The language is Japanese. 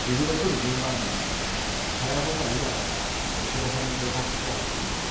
１０万円なんだけども早い方がいいだろうからっていって奥田さんにこれ託すからっていってね